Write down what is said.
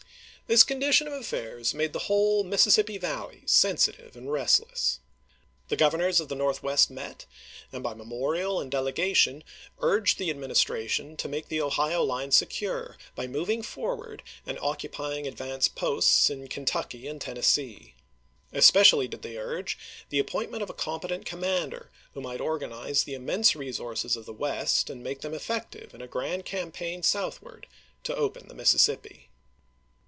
This condition of affairs made the whole Missis sippi Valley sensitive and restless. The Governors of the Northwest met, and by memorial and dele gation urged the Administration to make the Ohio line secure by moving forward and occupying advanced posts in Kentucky and Tennessee. Es pecially did they urge the appointment of a compe tent commander who might organize the immense resources of the West, and make them effective in a grand campaign southward to open the Mississippi.